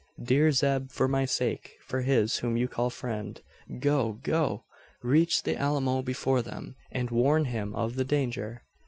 Dear Zeb, for my sake for his, whom you call friend go go! Reach the Alamo before them, and warn him of the danger!